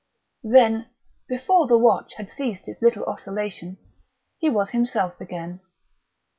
Then, before the watch had ceased its little oscillation, he was himself again.